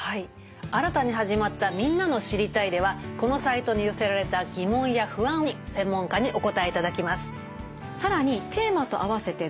新たに始まった「みんなの『知りたい！』」ではこのサイトに寄せられた疑問や不安に専門家にお答えいただきます。